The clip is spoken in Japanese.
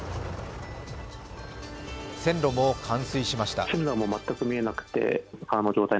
線路も冠水しました。